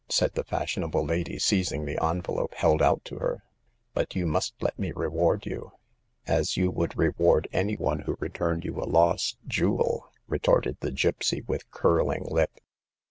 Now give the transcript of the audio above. " said the fashion able lady, seizing the envelope held out to her ;" but you must let me reward you." " As you would reward any one who returned you a lost jewel !" retorted the gypsy, with curling lip.